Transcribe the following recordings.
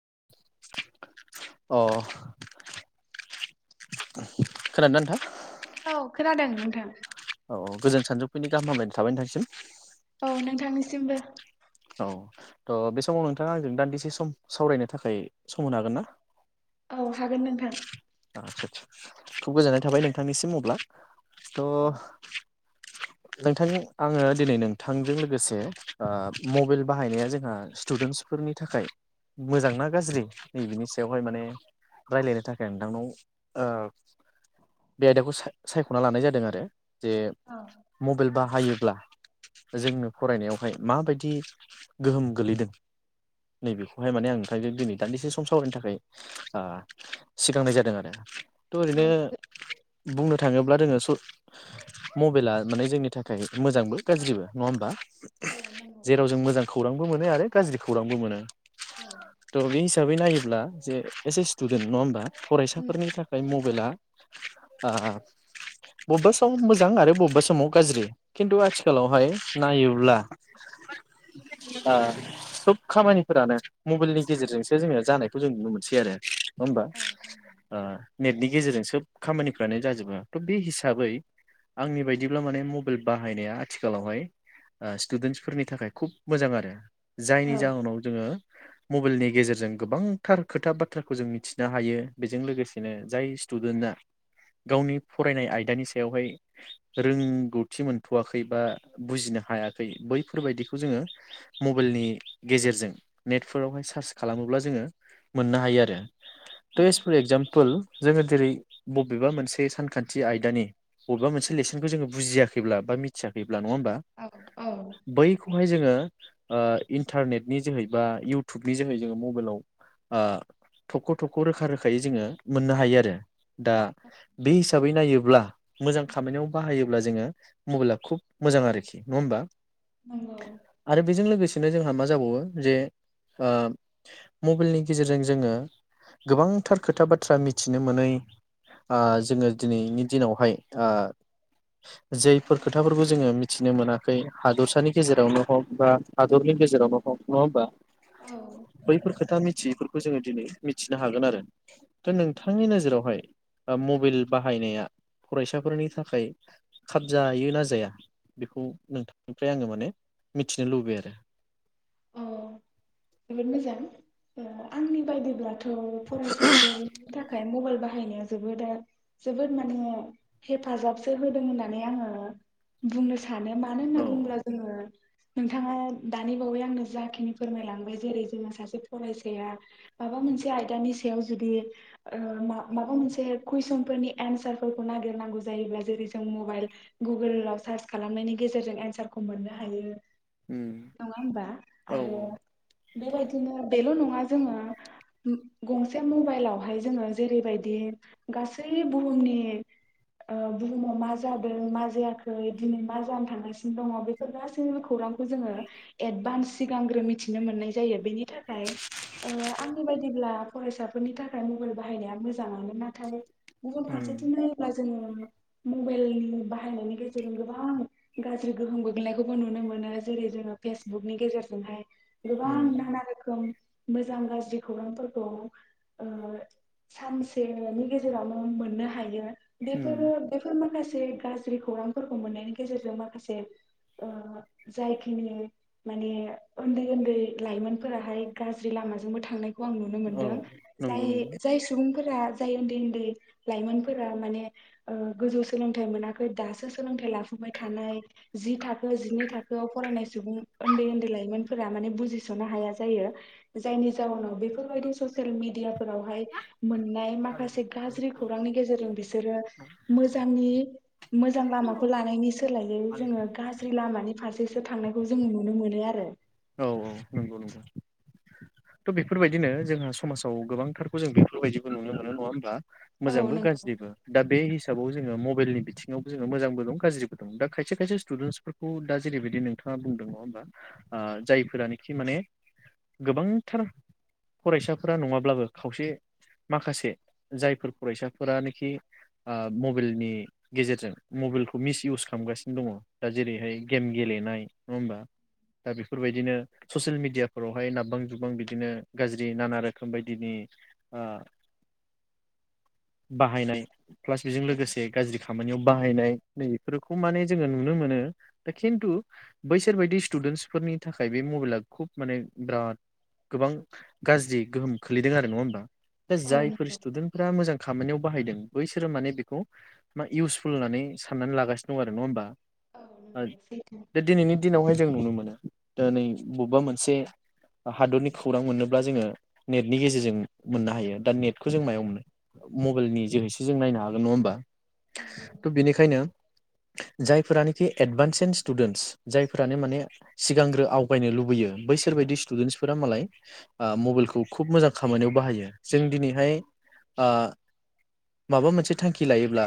अ खोनादोंना नोंथां औ खोनादों नोंथां औ औ गोजोन सानजौफुनि गाहाम हामलायनाय थाबाय नोंथांनिसिम सिमबो औ त' बे समाव नोंथाङा आंजों दान्दिसे सम सावरायनो थाखाय सम होनो हागोन ना औ हागोन नोंथां आ आतसा सा खुब गोजोननाय थाबाय नोंथांनिसिम अब्ला त' औ नोंथांनि आङो दिनै नोंथांजों लोगोसे ओ मबेइल बाहायनाया जोंहा स्टुडेन्टसफोरनि थाखाय मोजां ना गाज्रि नै बेनोस बेवहाय माने रायलायनो थाख ए नोंथांनाव ओ बे आयदाखौ सा सायख'ना लानाय जादों आरो जे औ मबेइल बा हायोब्ला जोंनो फरायनायावहाय माबायदि गोहोम गोलैदों नैबेखौहाय माने आं ओंखायनो दिनै दान्दिसे सम सावरायनो थाखाय ओ सिगांनाय जादों आरो त' ओरैनो बुंनो थाङोब्ला दोङो स मबेइला माने जोंनि थाखाय मोजांबो गाज्रिबो नंङा होमबा औ नंगौ जेराव जों मोजां खौरां बो मोनो आरो गाज्रि खौरांबो मोनो औ त' मिस हिसाबै नायोब्ला जे एसे स्टुडेन नङा होमबा फरायसाफोरनि थाखाय मबाइला आ बबेबा समाव मोजां आरो बबेबा समाव गाज्रि खिन्थु आथिखालावहाय नायोब्ला आ सब खामानिफोरानो मबेइलनि गेजेरजोंसो जोङो जानायखौ जों नुनो मोनसै आरो नङा होमबा औ नंगौ ओ नेटनि गेजेरजों सोब खामानिफ्रानो जाजोबो त बे हिसाबै आंनि बायद दिब्ला माने मबेइल बाहायनाया आथिखालावहाय ओ स्टुदेन्सफोरनि थाखाय खुब मोजां आरो जायनि औ जाहोनाव जोङो। मबाइलनि गेजेरजों गोबांथार खोथा बाथ्राखौ जों मिथिनो हायो। बेजों लोगोसेनो जाय स्टुडेन्टआ गावनि फरायनाय आयदानि सायावहाय रोंगौथि मोनथ'वाखै बा बुजिनो हायाखै बैफोरबायदिखौ जोङो मबाइलनि गेजेरजों नेटफोरावहाय सार्च खालामोब्ला जोङो मोननो हायो आरो। त' औ एस फर एगजामपोल जोङो जेरै बबेबा मोनसे सानखान्थि आयदानि बबेबा मोनसे लेसनखौ जोङो बुजियाखैब्ला बा मिथियाखै ब्ला नङा होमबा औ औ नंगौ बैखौहाय जोङो इटारनेटनि जोै बा इउटुबनि जोै जोङो मबाइलाव थख' थख' खौ रोखा रोखायै जोङो मोननो हायो आरो। दा बे हिसाबै नायोब्ला मोजां। खामानियाव बाहायोब्ला जोङो मबाइला खुब मोजां आरोखि नङा होमबा। नंगौ आरो बेजों लोगोसे नो जोंहा मा जाबावो जे मबाइलनि गेजेरजों जोङो। गोबांथार खोथा बाथ्रा मिथिनो मोनै जोङो दिनैनि दिनावहाय जैफोर खोथाफोरखौ जोङो मिथिनो मोनाखै हादरसानि गेजेरावनो हग बा हादरनि गेजेरावनो हग नङा होमबा। औ बैफोर खोथा मिथियिफोर खौ जों दिनै मिथिनो हागोन आरो दा नोंथांनि नोजोरावहाय मबाइल बाहायनाया फरायसाफोरनि थाखाय खाब जायो ना जाया बेखौ नोंथांनिफ्राय आङो माने मिथिनो लुबैयो आरो।? अ जोबोद मोजां आंनि बायदिब्लाथ' फरायसाफोरनि थाखाय मबाइल बाहायनाया जोबोद जोबोद माने हेफाजाबसो होदों होननानै आङो बुंनो सानो मानो होनना औ औ बुंङोब्ला जोङो। नोंथाङा दानि बावै आंनो जाखिनि फोरमायलांबाय जेरै जोङो सासे फरायसाया माबा मोनसे आयदानि सायाव जुदि माबा मोनसे कुइसन फोरनि एन्सारफोरखौ नागिरनांगौ जायोब्ला जेरै जों मबाइल गुगोलाव सार्च खालामनायनि गेजेरजों एन्सारखौ मोननो हायो। उम नङा होमबा। औ आरो बेबायदिनो बेल' नङा जोङो गंसे मबाइलावहाय जोङो जेरैबायदि गासै बुहुमनि बुहुमाव मा जादों मा जायाखै दिनै मा जानो थांगासिनो दङ बेफोर गासैबो खौरांखौ जोङो एडभान्स। सिगांग्रो मिथिनो मोननाय जायो बेनि थाखाय आंनि बायदिब्ला फरायसाफोरनि थाखाय मबाइल बाहायनाया मोजाङानो नाथाय गुबुन उम फारसेथिनो जोङो मबाइल बाहायनायनि गेजेरजों गोबां गाज्रि गोहोम गोग्लैनायखौबो नुनो मोनो जेरै जोङो फेसबुकनि गेजेरजों जोंहाय गोबा उम नाना आरख मोजां गाज्रि खौरांफोरखौ सानसेनि गेजेरावनो मोननो हायो। उम बेफोरो बेफोर माखासे ाखसे गाज्रि खौरांफोरखौ मोननायनि गेजेरजों माखासे जायखिनि माने उन्दै उन्दै लाइमोनफोराहाय गाज्रि लामाजोंबो थांनाय। आ नुनो औ मोनदों ज नंगौ नंगौ जाय सुबुं फोर जाय उन्दै उन्दै लाइमोनफोरा माने गोजौ सोलोंथाइ मोनाखै दासो सोलों थाइ लाफाय थानाय जि थाखो जिनै थाखोआव फरायनाय सुबुं उन्दै उन्दै लाइमोन म बुजिसनो ह जायो जायनि जनाव बेफोरबायदि ससिल मिदिया ावहाय मोननाय माखासे गाज खौांनि गेजेरजों बिसोरो मोजां लामाखौ लानायनि सोलायै जोङो गाज लाम फारसे सो थांनायखौ जों नुनो मोनो आरो। औ औ नंगौ नंगौ थ' बेफोरबायदिनो जोंहा समाजाव गोबांथारखौ जों बेफोरबायदिबो नुनो मोनो नङा होमबब्ला। औ मोजांबो नंगौ गाज्रिबो दा बे हिसाबाव जोङो मबाइलनि बिथिङावबो जोङो मोजांबो दं गाज्रिबो दं दा खायसे खायसे स्टुडेन्स फोरफोरखौ दा जेरैबायदि नोंथाङा बुंदों नङा होमबा? जायफोरानोखि माने गोबांथार फरायसाफोरा नङाब्लाबो खावसे माखासे जायफोर फरायसाफोरानोखि आ मबाइलनि गेजेरजों मबाइलखौ मिस इउस खालामगासिनो दङ दा जेरैहाय गेम गेलेनाय नङा होमबा? दा बेफोरबायदिनो ससियेल मिडियाफोरावहाय नाबबां जुबबां बिदिनो गाज्रि नाना रोखोम बायदिनि आ बाहायनाय प्लास बेजों लोगोसे गाज्रि खामानियाव बाहायनाय नै बेफोरखौ माने जोङो नुनो मोनो दा खिन्थु बैसोर बायदि स्टुदेन्सफोरनि थाखाय बे मबाइला खुब माने बिराद गोबां गाज्रि गोहोम खोलैदों आरो नङा होमबा? दा औ जायफोर नंगौ स्टुडेन्टफोरा मोजां खामानियाव बाहायदों बैसोरो माने बेखौ इउसफुल होननानै साननानै लागासिनो दं आरो नङा होमबा? सैथो बे दिनैनि दिनावहाय जों नुनो मोनो दि नै बबेबा मोनसे हादरनि खौरां मोननोब्ला जोङो नेटनि गेजेरजों मोननो हायो दा नेटखौ जों मायाव मोनो मबाइलनि जोहैसो जों नायनो हागोन नङा होमबा? थ' बेनिखायनो जायफोरानोखि एडभान्स सिन स्टुडेन्टस जायफोर [unintelligible] माने सिगांग्रो आवगायनो लुबैयो बैसोरबायदि स्टुडेन्टसफोरा मालाय आ मबाइलखौ खुब मोजां खामानियाव बाहायो जों दिनैहाय आ माबा मोनसे थांखि लायोब्ला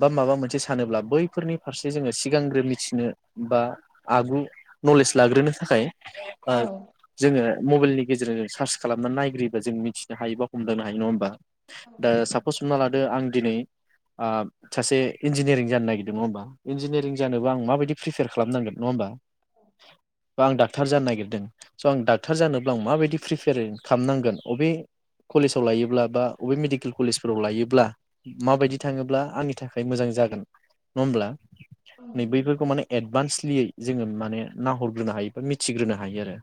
बा माबा मोनसे सानोब्ला बैफोरनि फारसे जोङो सिगांग्रो मिथिनो बा आगु नलेज लाग्रोनो थाखाय ओ औ जोङो मबाइलनि गेजेरजों जों सार्च खालामना नायग्रोयोबा जों मिथिनो हायो बा हमदांनो हायो नङा होमबा? औ दा नंगौ सापस हमना लादो आं दिनै आ सासे इन्जिनियारिं जानो नागिरदों नङा होमबा? इन्जिनियारिं जानोबा आं माबायदि फ्रिफार खालामनांगोन नङा होमबा? द बा आं डाक्टर जानो नागिरदों स' आं डाक्टर जोब्ला आं माबायदि फ्रिफेयारिं खामनांगोन अबे कलेजाव लायोब्ला बा अबे मेडिकेल कलेजफोराव लायोब्ला माबायदि थाङोब्ला आंनि था मोजां जागोन नङा होमब्ला? औ नै बैफोरखौ माने एडभान्स [unintelligible] जोङो माने नाहरग्रोनो हायो बा मिथिग्रोनो हायो आरो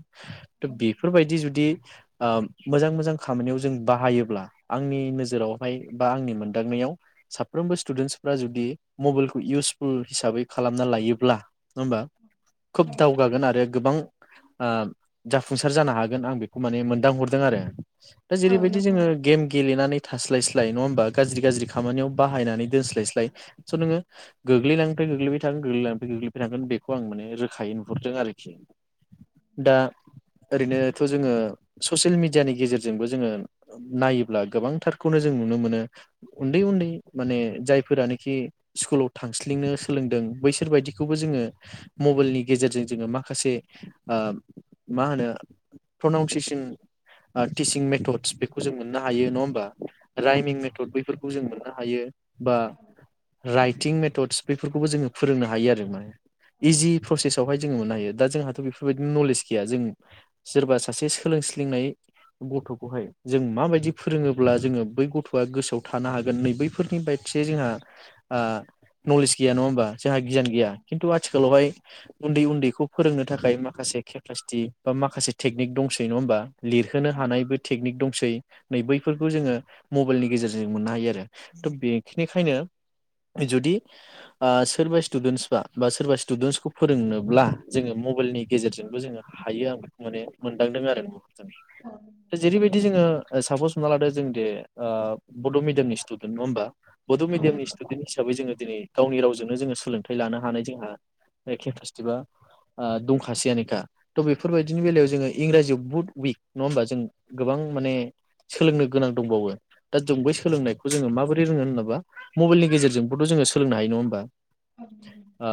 थ' बेफोरबायदि जुदि अ मोजां मोजां खामानियाव जों बाहायोब्ला आंनि नोजोरावहाय बा आंनि मोनदांनायाव साफ्रोमबो स्टुडेन्टसफ्रा जुदि मबाइलखौ इउसफुल हिसाबै खालामना लायोब्ला नङा होमबा? खोब दावगागोन आरो गोबां आ जाफुंसार जानो हागोन आं बेखौ माने मोनदांहरदों आरो। दा जेरैबायदि नंगौ जोङो गेम गेलेनानै थास्लायस्लाय नङा होमबा गाज्रि गाज्रि खामानियाव बाहायनानै दोनस्लायस्लाय स' नोङो गोग्लैनाङिनिफाय गोग्लैबाय थागोन गोग्लैनाङिनिफाय गोग्लैबाय थागोन बे खौ आं माने रोखायै नुहुरदों आरोखि दा ओरैनोथ' जोङो ससियेल मेडियानि गेजेरजोंबो जोङो नायोब्ला गोबांथारखौनो जों नुनो मोनो उन्दै उन्दै माने जायफोरानोखि स्कुलाव थांल्सिंनो सोलोंदों बैसोर बायदिखौबो जोङो मबाइलनि गेजेरजों जोङो माखासे ओ मा होनो प्रनाउनसियसन टिसिं मेथदस बेखौ जों मोननो हायो नङा होमबा? राइमिं मेथद बैफोरखौ जों मोनो हायो बा राइटिं मेथदस बेफोरखौबो जोङो फोरोंनो हायो आरो माने इजि प्रसेसआवहाय जोङो मोननो हायो दा जोंहाथ' बेफोरबायदिनो नलेज गैया जों सोरबा सासे सोलोंल्सिंनाय गथ'खौहाय जों माबायदि फोरोङोब्ला जोङो बै गथ'आ गोसोआव थानो हागोन नै बैफोरनि बायद से जोंहा ओ नलेज गैया नङा होमबा? जोंहा गियान गैया खिन्थु आं बेवहाय उन्दै उन्दैखौ फोरोंनो थाखाय माखासे केपासिटि बा माखासे टेकनिक दंसै नङा होमबा? लिरहोनो हानायबो टेकनिक दंसै नै बैफोरखौ जोङो मबाइलनि गेजेरजों मोननो हायो आरो थ' बेखिनिखायनो जुदि सोरबा स्टुडेन्टस बा बा सोर सोरबा स्टुडेन्सखौ फोरोंनोब्ला जोङो मबाइलनि गेजेरजोंबो जोङो हायो आं बेखौ माने मोनदांदों आरो [inaudible] जेरै बायदि बिदि जोङो सापस हमना लादो जों दे ओ बड' मिडियामनि स्टुदेन्त नङा होमबा? बड' औ नंगौ मिडियामनि सुटुदेन्द हिसाबै जोंङो दिनै गावनि रावजोंनो जोङो सोलोंथाइ लानो हानाय जोंहा केपासिटिबा दंखासैयनोखा तह बेफोरबायदिनि बेलायाव जोङो इंराजियाव बुहुत उइक नङा होमबा जों गोबां माने सोलोंनो गोनां दंबावो दा जों बै सोलोंनायखौ जोङो माबोरै रोङो होनाबा मबाइलनि गेजेरजोंबोथ' जोङो सोलोंनो हायो नङा होमबा? [inaudible] आ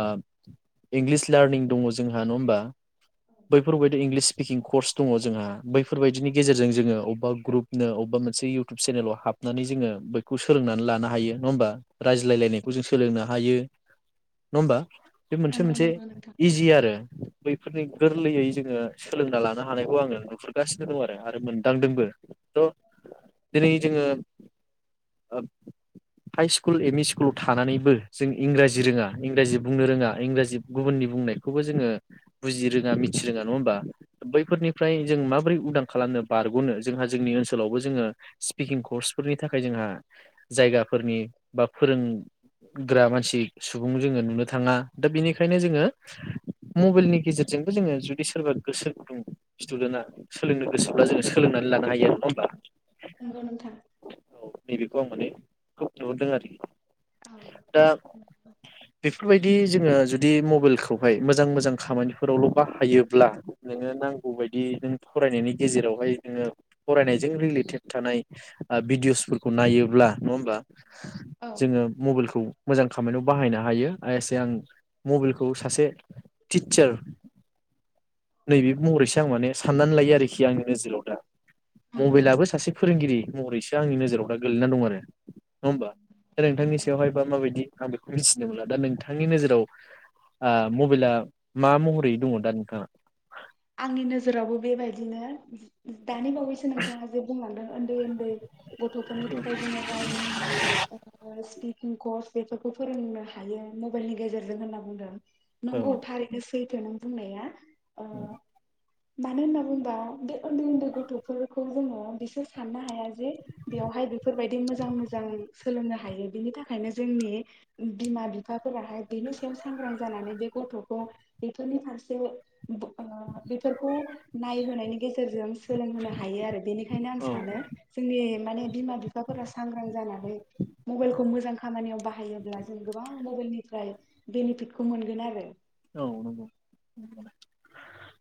इंलिस लार्निं दङ जोंहा नङा होमबा? बैफोरबायदि इंलिस किं कर्स दङ जोंहा बैफोरबायदिनि गेजेरजों जोङो अबेबा ग्रुप नो अबेबा मोनसे इउटुब चेनेलाव हाबनानै जोङो बैखौ सोलोंनानै लानो हायो नङा होमबा? रायज्लायलायनायखौ जों सोलोंनो हायो नङा ओमबा? बे मोनसे मोनसे नंगौ नोंथां इजि आरो बैफोरनि गोरलैयै जोङो सोलोंना लानो हानायखौ आङो नुहुरगासिनो दं आरो आरो मोनदांदोंबो थ' दिनै जोङो ओ हाइ स्कुल एमइ स्कुलाव थानानैबो जों इंराजि रोङा इंराजि बुंनो रोङा इंराजि गुबुननि बुंनायखौबो जोङो बुजि रोङा मिथि रोङा नङा होमबा बैफोरनिफ्राय जों माबोरै उदां खालामनो बारग'नो जोंहा जोंनि ओनसोलावबो जोङो स्पिकिं कर्सफोरनि थाखाय जोंहा जायगाफोरनि बा फोरोंग्रा मानसि सुबुं जोङो नुनो थाङा। दा बेनिखायनो जोङो मबाइलनि गेजेरजोंबो जोङो जुदि सोरबा गोसो गुदुं स्टुडेन्टआ सोलोंनो गोसोब्ला जोङो सोलोंनानै लानो हायो नङा होमबा? नोंगौ नोंथां औ नैबेखौ आं माने [unintelligible] आरोखि औ दा बेफोरबायदि दि जोङो जुदि मबाइलखौहाय मोजां मोजां खामानिफोरावल' बाहायोब्ला नोङो नांगौ बायदि नों फरायनायनि गेजेरावहाय नोङो फरायनायजों रिलेटेड थानाय ओ भिडिअसफोरखौ नायोब्ला नङा होमबा? औ जोङो मबाइलखौ मोजां खामानियाव बाहायनो हायो आ एसे आं। मबाइलखौ सासे टिचार नैबे महरैसो आं माने साननानै लायो आरोखि आंनि नोजोराव दा। नंगौ मबाइलाबो सासे फोरोंगिरि। महरैसो। आंनि नोजाव दा गोग्लैना दं आरो नङा होमबा दा नोंथांनि नंगौ सायावहाय बा माबायदि आं। मिथिनो मोनला दा नोंथांनि नोजोराव। ओ मबाइला मा महरै दंङ दा नोंथाङा। आंनि नोजोरावबो बेबायदिनो। दानि बावैसो नोंथाङा जे बुंलांदों। उन्दै उन्दै गथफोरनि थाखाय जोंङो रायनिं स्पिड। ओ कस बेफोरखौ फोरोंनो हायो मबाइलनि गेजेरजों होनना बुंदों। नंगौ औ थारैनोसै। फैथो नों बुंनाया। अ। मानोहोनना बुंबा बे। उन्दै उन्दै गथ'फोर। खौ जोङो बिसोर साननो हाया जे बेवहाय बेफोरबायदि मोजां मोजां सोलोंनो हायो बिनि थाखायनो जोंनि बिमा बिफाफोराहाय बिनि सायाव सांग्रां जानानै बे गथ'खौ बेफोरनि फारसे। [unintelligible] बेफोरखौ नायहोनायनि गेजेरजों। सोलोंहोनो हायो आरो बेनिखायनो आं औ सानो जोंनि। माने बिमा बिफाफोरा सांग्रां जानानै मबाइलखौ मोजां खामानियाव बाहायोब्ला जों गोबां मबाइलनिफ्राय बेनिफिटखौ मोनगोन आरो। औ नंगौ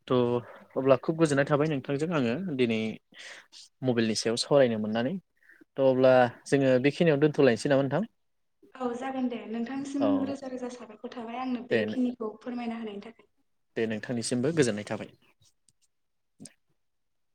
थ' अब्ला खुब गोजोननाय थाबाय नोंथांजों आंङो दिनै मबाइलनि सायाव सावरायनो मोननानै थ' अब्ला जोंङो बेखिनियाव दोन्थ'लायनोसै नामा नोंथां। औ जागोन दे नोंथांसिम औ रोजा रोजा साबायखर थाबाय आंनो दे बेखिनिखौ। फोरमायना होनायनि थाखाय। दे नोंथांनिसिमबो गोजोननाय थाबाय। [inaudible]